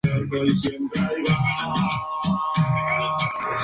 Este álbum era notablemente más oscuro que las versiones anteriores de Ayreon.